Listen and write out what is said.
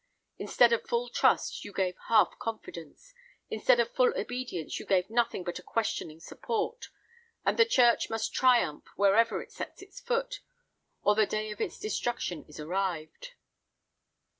Instead of full trust, you gave half confidence; instead of full obedience, you gave nothing but a questioning support; and the church must triumph wherever it sets its foot, or the day of its destruction is arrived."